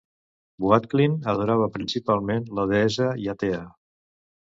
Voadkyn adorava principalment la deessa Hiatea.